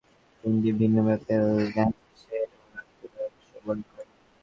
চাইলেই টেনে নামানো যায় এমন তিনটি ভিন্ন মাপের ল্যাম্পশেডও রাখতে পারেন শোবার ঘরে।